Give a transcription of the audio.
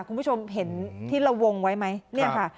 คุณผู้ชมเห็นที่เราวงไว้ไหมเนี่ยค่ะ